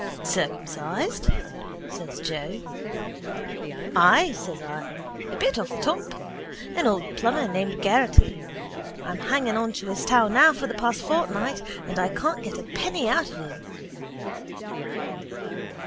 —Circumcised? says Joe. —Ay, says I. A bit off the top. An old plumber named Geraghty. I'm hanging on to his taw now for the past fortnight and I can't get a penny out of him.